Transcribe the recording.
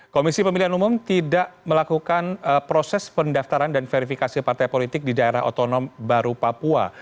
komisi pemilihan umum tidak melakukan proses pendaftaran dan verifikasi partai politik di daerah otonom baru papua